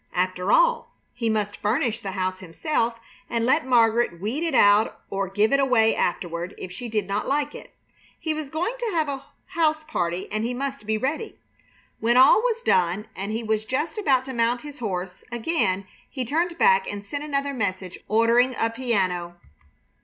After all, he must furnish the house himself, and let Margaret weed it out or give it away afterward, if she did not like it. He was going to have a house party and he must be ready. When all was done and he was just about to mount his horse again he turned back and sent another message, ordering a piano.